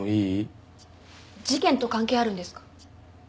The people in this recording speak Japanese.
事件と関係あるんですか？